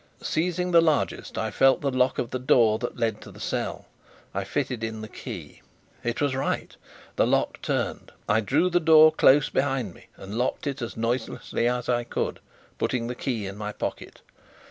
Seizing the largest, I felt the lock of the door that led to the cell. I fitted in the key. It was right. The lock turned. I drew the door close behind me and locked it as noiselessly as I could, putting the key in my pocket.